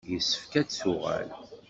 Yessefk ad d-tuɣal.